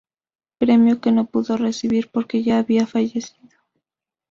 Premio que no pudo recibir porque ya había fallecido